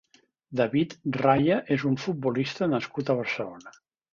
David Raya és un futbolista nascut a Barcelona.